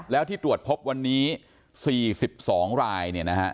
แล้วที่ตรวจพบวันนี้๔๒รายเนี่ยนะฮะ